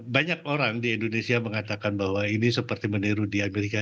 banyak orang di indonesia mengatakan bahwa ini seperti meniru di amerika